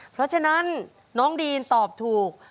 เพราะฉะนั้นน้องดีนตอบถูก